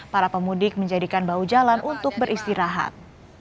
para pemudik menjadikan bau jalan untuk beristirahat